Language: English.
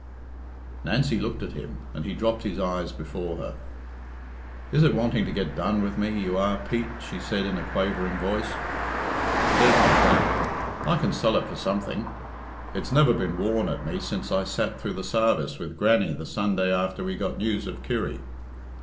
Nancy looked at him, and he dropped his eyes before her. "Is it wanting to get done with me, you are, Pete?" she said in a quavering voice. "There's my black I can sell it for something it's never been wore at me since I sat through the sarvice with Grannie the Sunday after we got news of Kirry.